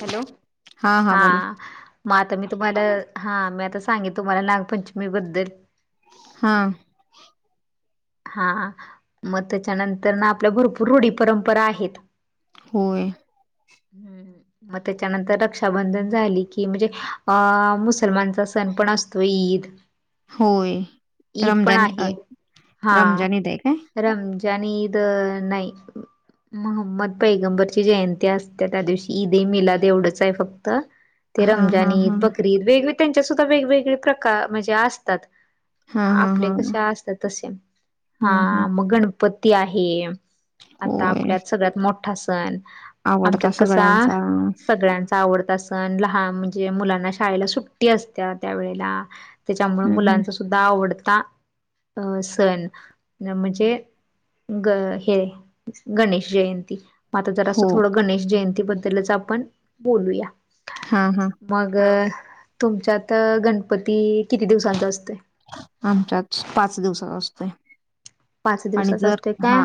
हा हा हा बोला [unintelligible] मग आता मी तुम्हाला हां मी आता सांगेन तुम्हाला नागपंचमीबद्दल. हा. हा हा मग त्याच्यानंतर ना आपल्या भरपूर रुढी परंपरा आहेत. होय. होय होय. मग त्याच्यानंतर रक्षाबंधन झाली कि, म्हणजे अ मुसलमानचा सण पण अस तो ईद. होय ईद पण रमजान आहे हा -रमजानत ईद आहे काय? रमजान ईद नाही, मोहम्मद पैगंबरची जयंती असते. ते त्या दिवशी ईद ये मिलाद एवढंच आहे फक्त. ते हा रमजान हा हा ईद, बकरीद ईद वेगवगळ त्यांच्या सुद्धा वेगवेगळे प्रकार म्हणजे असतात. हा हा हा आपले कसे असतात तसे हा हम्म हम्म मग गणप गणपती आहे. आता होय आपल्यात सगळ्यात मोठा सण, आवडता आपल्यात कसा सगळ्यांचा सगळ्यांचा आवडता सण लहान म्हणजे मुलांना शाळेला सुट्टी असत्या त्या वेळेला. त्याच्यामूळ हम्म हम्म मुलांचा सुद्धा आवडता अ सण म्हणजे, ग- हे गणेश जयंती. म जरासं हो थोडं गणेश जयंती बद्दलच आपण बोलूया. हा, हा. मग तुमच्यात गणपती किती दिवसांचा आसतोय? आमच्यात पाच दिवसाचा असतोय. पाच आणि दिवसाचा जर असतोय हा काय?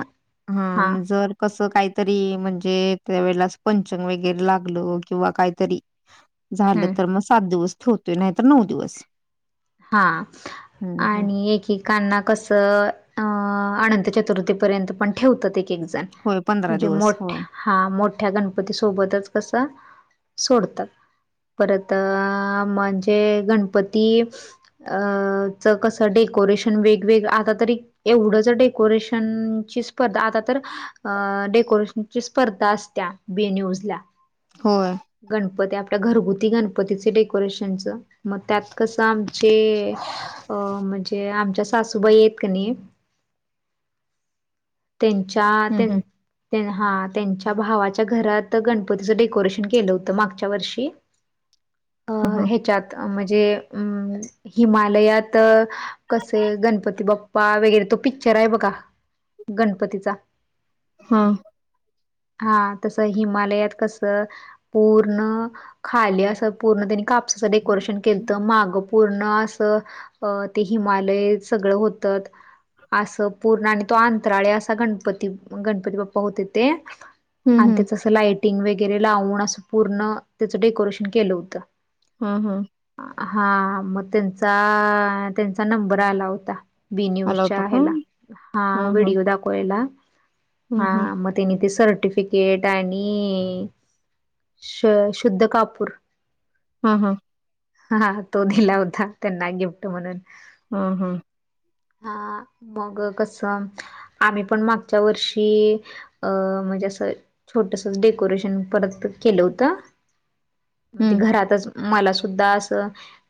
हा म जर कसं काहीतरी म्हणजे त्यावेेळेला पंचंग वगैरे लागलं किंवा काहीतरी, झालं हम्म तर म सात दिवस ठेवतोय नाही तर नऊ दिवस. हा हम्म हम्म आणि एकेक कस अ अनंत चतुर्थी पर्यंत पण ठेवतात एक एक जण. होय पंधरा म्हणजे दिवस होय मोठ्या हा मोठ्या गणपती सोबतच कस सोडतात. परत म्हणजे गणपती अ च कसं डेकोरेशन वेगवेगळ आता तरी, एवढंच डेकोरेशन ची स्पर्धा आता तर, अ डेकोरेशनची स्पर्धा असत्या बी न्यूजला. होय. गणपती आपल्या घरगुती गणपतीचे डेकोरेशनच मग त्यात कसं आमचे आमचे अ म्हणजे आमच्या सासूबाई हायत कनाही. त्यांच्या त्यां हम्म हम्म हा त्यांच्या भावाच्या घरात गणपतीचं डेकोरेशन केलं होतं मागच्या वर्षी. अ हा ह्यच्यात म्हणजे अम हिमालयात कसे गणपती बप्पा वगैरे तो पिक्चर आहे बघा? गणपतीचा. हा हा हा तसं हिमालयात कसं पूर्ण खाली अस पूर्ण त्यांनी कापसाचं डेकोरेशन केलंत माग पूर्ण असं अ ते हिमालय सगळं होतत. असं पूर्ण आणि तो आत् आत्राळीं असा गणपती गणपती बाप्पा होतीत ते, हम्म आणि हम्म त्याच अस लाइटिंग वगैरे लावून असं पूर्ण त्याचं डेकोरेशन केलं होतं. हा हो. हा म त्यांचा त्यांचा नंबर आला होता. बी आला होता न्यूजच्या का? हेला हा हां, हां. व्हिडिओ दाखवायला हां, हा हां. म. त्येनी ते सर्टिफिकेट आणि श शुद्ध कापूर. हा हा. हा हा तो दिला होता त्यांना गिफ्ट म्हणून हा हा. हा हा मग कस आम्ही पण मागच्या वर्षी अं म्हणजे असं छोटस डेकोरेशन परत केलं होतं. म्हणजे हं. घरातच मला सुद्धा असं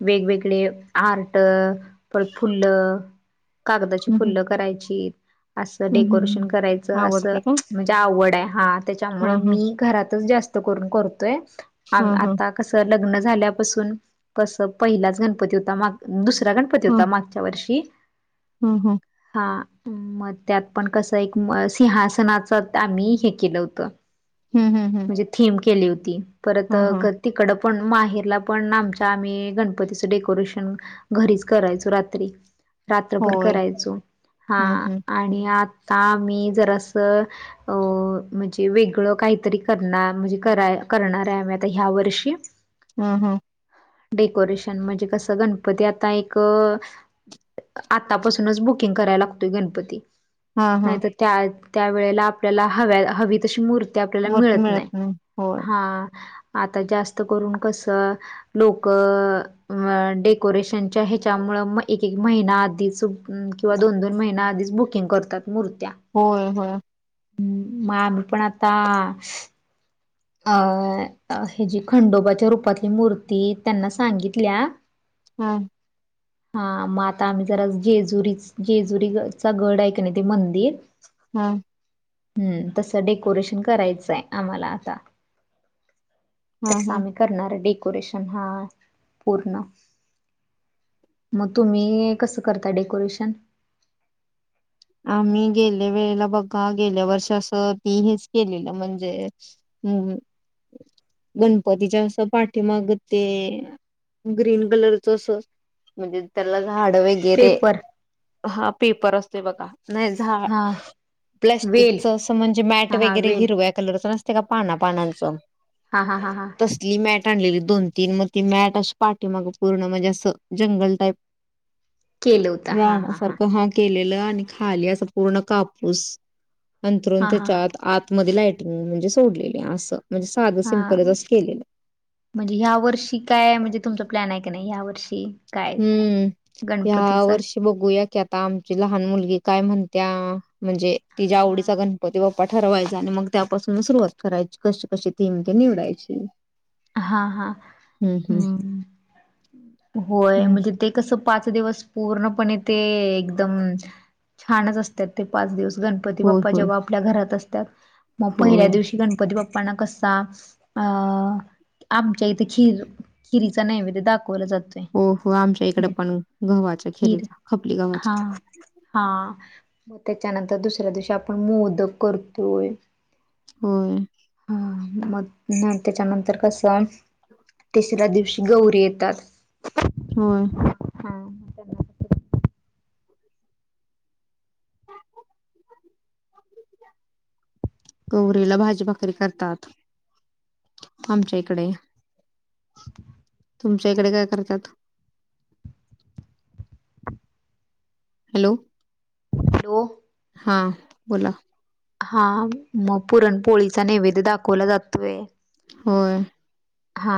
वेगवेगळे आर्ट परत फुल्ल कागदाची हं, हं. फुल्ल करायचीत. असं हं, हं, डेकोरेशन हं. करायचं असं. आवडते का? म्हणजे आवड आहे हा त्याच्यामु हां, हां. मी घरातच जास्त करून करतोय हां, हां. आता कसं लग्न झाल्यापासून कसं पहिलाच गणपती होता माग दुसरा गणपती होता माग. च वर्षी हो हो. हां. मग त्यात पण कसं एक सिंहासनाच आम्ही हे केलं होतं. हम् हम् हम. म्हणजे थीम केली होती परत तिकडं पण माहेरला पण आमच्या आम्ही गणपतीचं डेकोरेशन घरीच करायचो रात्री रात्रभर होय. करायचो. हा हं, हं. आणि आता मी जर असं. अ म्हणजे वेगळं काहीतरी करणार म्हणजे करा करणार आहे आम्ही आता ह्या वर्षी हा हा. डेकोरेशन म्हणजे कसं गणपती आता एक आतापासूनच बुकिंग करायला लागत. गणपती हां, हां. नाहीत त्या त्या वळेला आपल्याला हव हवी तशी मूर् आपल्याला मिळत नाही हा आता जास्त करून कस? लोक. अ डेकोरेशनच्या ह्याच्यामु म एक एक महिना आधीच किंवा दोन दोन महिने आधीच बुकिंग करतात मूर्त्या होय होय. ह् माभ पण आता अ ह जी खंडोबाच्या रूपातली मूर्ती त्यांना सांगितल्या. हम. [unintelligible] हा मग आता आम्ही जरा जेजुरी जेजुरीचा गड आहे क नाही ते मंदिर हा. हम्म तसं डेकोरेशन करायचं आहे आम्हाला आता हां, त्यास हां. आम्ही करणार डेकोरेशन हा पूर्ण मग तुम्ही कसं करता डेकोरेशन आम्ही गेल्या वेळेला बघा गेल्या वर्ष असं ती हेच केलेलं म्हणजे हम्म गणपतीच्या असं पाठीमाग ते ग्रीन कलरच अस म्हणजे त्याला झाड वगैर वैरे पेपर हा पेपर असते बघा नाही. झा हा प्लास्टिक वेल च अस म्हणजे मॅट हा हा वगैरे वेल हिरव. कलरच नसते का पाना पानांचं. हा हा हा हा. ली मॅट आणलेली दोन तीन मग ती मॅट अशी पाठीे मग पूर्ण म्हणजे असं जंगल टाईप केलं होत हा राणा हा हा सर्ख ह. के आणि खाली अस पूर्ण कापूस अंतरून हा हा त्याच्यात. मध्ये लाईटिंग म्हणजे सोडलेले असं म्हणजे साधं हा सिंपलच अस केलं. म्हणजे ह्या वर्षी काय म्हणजे तुमचा प्लॅन आहे काी नाही ह्या वर्षी काय हम्म या गणपतीचा वर्षी बघूया की आता आमची लहान मुलगी काय म्हणत्या म्हणजे तिच्या्या हा आवडीचा ग. ती बाप्पा ठरवायचा आणि मग त्यापासून सुरुवात करायची कशी कशी थीम ते निवडायची. हा हम्म हम्म. हाम् होय हम्म. म्हणजे ते कसं पाच दिवस पूर्णपणे ते एकदम. छानच असतात ते पाच दिवस गणपती होय बाप्पा होय जेव्हा आपल्या घरात असतात मग पहिल्या होय दिवशी गणपती बाप्पांना कसा? आमच्या इथे खिर खिरीचा नैवेद्य दाखवलं जात. हो हो आमच्या इकडे पण गव्हाच्या खीर खेरीच्या खपली हा गवा्हाच्या हा मग त्याच्यानंतर दुसऱ्या दिवशी आपण मोदक करतोय. होय. हा म तेच्या नंतर कसं हाय तिसऱ्या दिवशी गौरी येतात. होय. हा. गौरीला भाजी भाकरी करतात, आमच्या इकडे. तुमच्या इकडे काय करतात. हॅलो. हॅलो. हां बोला. हा मग पुरणपोळीचा नैवेद्य दाखवला जातोय. होय. हा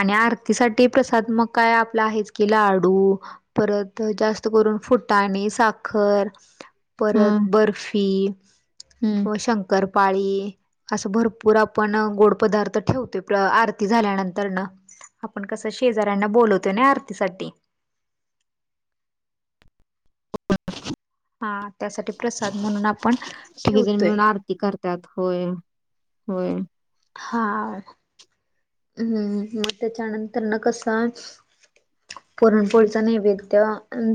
आणि आरतीसाठी प्रसाद मग काय आपला आहेच की लाडू परत जास्त करून फुटाणे, साखर. परत बर्फी हम्. व शंकरपाळी. असं भरपूर आपण गोड पदार्थ ठेवतोय आरती झाल्यानंतर आपण कसं शेजऱ्यांना बोलवतोय ना आरतीसाठी हा त्यासाठी प्रसाद म्हणून आपण ठेवतोय. ती करतात होय होय. हा हम् मग त्याच्यानंतर न कसं. अ्. पुरणपोळीच नैवेद्य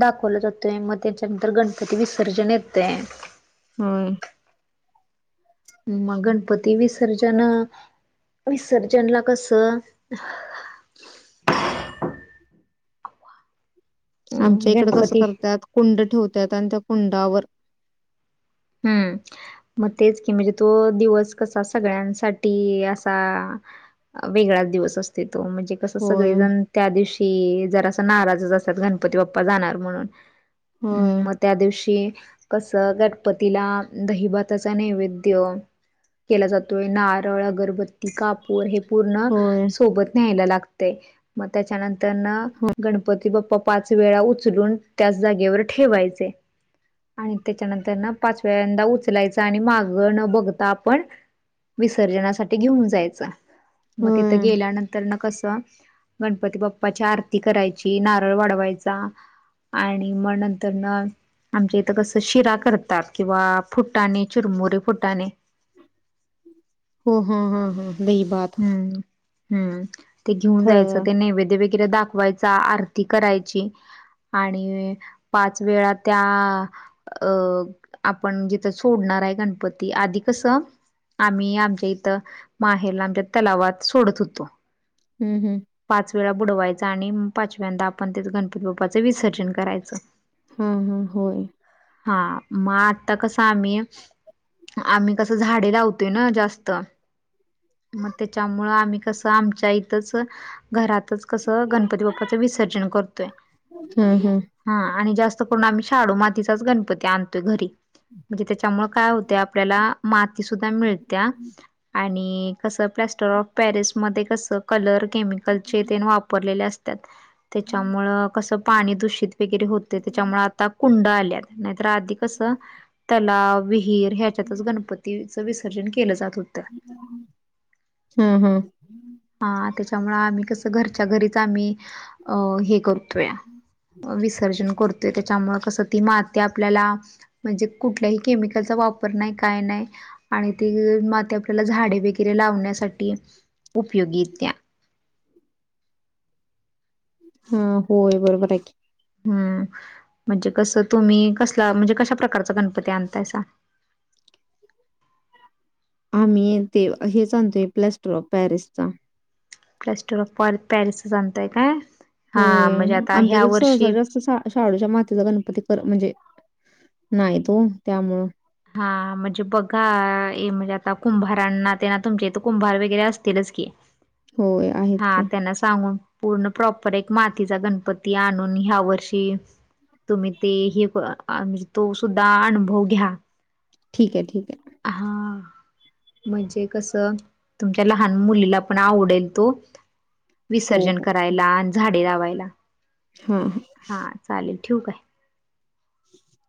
दाखवला जातोय, मग त्याच्यानंतर गणपती विसर्जन येतंय. होय. मग गणपती विसर्जन विसर्जनला कसं. अं आमच्या इकडं कसं गणपती करतात, कुंड ठेवतात आणि त्या कुंडावर हम्म. म तेच की म्हणजे तो दिवस कसा सगळ्यांसाठी असा. वेगळाच दिवस असतयं तो म्हणजे तसं होय, सगळीजण त्या दिवशी जरासं नाराजच असत्यात गणपती बाप्पा जाणार म्हणून होय. मग त्या दिवशी कसं गण पतीला दही भाताचा नैवेद्य केला जातोय. नारळ, अगरबत्ती. कापूर हे पूर्ण होय, सोबत न्यायला लागतंय. मग त्याच्यानंतर न गणपती बाप्पा पाच वेळा उचलून त्याच जागेवर ठेवायचे आणि त्याच्यानंतर पाचव्यांदा उचलायचा आणि माग न बघता आपणं. विसर्जनासाठी घेऊन जायचं, म तिथं होय. गेल्यानंतर त्यांना कसं गणपती बाप्पाची आरती करायची नारळ वाढवायचा. आणि म नंतर न आमच्या इथं कसं शिरा करतात किंवा फुटाणे, चुरमुरे, फुटाणे हो हा हा हा दही भात हम्म हम्म ते घेऊन जायचं फळं ते नैवेद्य वेग दाखवायचा आरती करायची इक आणि पाच वेळा त्या अं आपण जिथं सोडणार आहे, गणपती आधी कसं आम्ही आमच्या इथं माहेरला आमच्या तलावात सोडत होतो. हम् हम् पाच वेळा बुडवायचा आणि पाचव्यांदा आपण ते गणपती बाप्पाचं विसर्जन करायचं हं हं होय हा मग आत्ता कसं आम्ही आम्ही कसं झाडे लावतोय ना जास्त मग त्याच्यामुळं आम्ही कसं आमच्या इथंचअ घरातच कसं गणपती बाप्पाचं विसर्जन करतोय हं हं हा आणि जास्त करून आम्ही शाडू मातीचाच गणपती आणतोय घरी म्हणजे त्याच्यामुळे काय होते आपल्याला माती सुद्धा मिळत्या आणि कसं प्लॅस्टर ऑफ पॅरिस मध्ये कसं कलर केमिकलचे तेन वापरलेले असत्यात त्याच्यामुळ कसं पाणी दूषित वगैरे होते त्याच्यामुळं त आता कुंड आल्यात नाहीतर आधी कसं तलाव विहीर ह्याच्यातच गणपतीचं विसर्जन केलं जात होतं हं हं हा त्याच्यामुळं आम्ही कसं घरच्या घरीच आम्ही अ हे करू विसर्जन करतोय त्याच्यामुळे कसं ती माती आपल्याला म्हणजे कुठल्याही केमिकलचा वापर नाही काय नाही आणि ते माती आपल्याला झाडे बे हिरे लावण्यासाठी उपयोगी येतीया हम होय बरोबर आहे की हम्म म्हणजे कसं तुम्ही कसला म्हणजे कशा प्रकारचा गणपती आणतायसा आम्ही ते हेच आणतोय प्लॅस्टर ऑफ पॅरिस चा प्लॅस्टर ऑफ पारी पॅरिसच अंताय काय हा होय म्हणजे आता ह्या आमच्यात सहसा वर्षी जास्त सा शाडूच्या मातेचा गणपती कर म्हणजे नाही तो त्यामुळं हा म्हणजे बघा म्हणजे आता कुंभारांना ते ना तुमच्या इथं कुंभार वगैरे असतीलच की होय आहेत हा की. त्यांना सांगून पूर्ण प्रॉपर एक मातीचा गणपती आणून ह्या वर्षी तुम्ही ते हे बघा आणि तो सुद्धा अनुभव घ्या ठीक आहे ठीक आहे हां. म्हणजे कसं तुमच्या लहान मुलीला पण आवडेल तो हो, विसर्जन हो. करायला अन झाडे लावायला ह हम हा चालेल ठीव काय ' ' [unintelligible]